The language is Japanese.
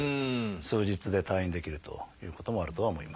数日で退院できるということもあるとは思います。